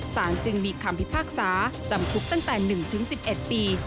สารจึงมีคำพิพากษาจำคุกตั้งแต่๑๑๑ปี